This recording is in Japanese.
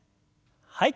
はい。